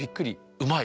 うまい。